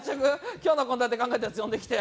今日の献立考えたやつ呼んできて。